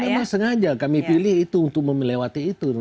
memang sengaja kami pilih itu untuk melewati itu